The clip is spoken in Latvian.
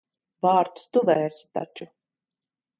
Vārtus tu vērsi taču.